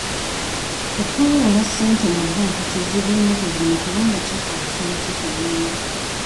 Okwewola ssente mu banka kizibu ennaku zino kubanga kyetaagisa emisoso mingi.